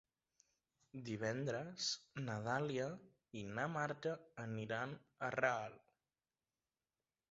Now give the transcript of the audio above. Divendres na Dàlia i na Marta aniran a Real.